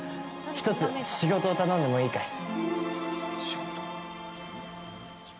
１つ、仕事を頼んでもいいかい？